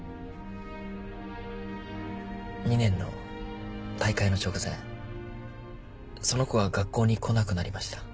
２年の大会の直前その子が学校に来なくなりました。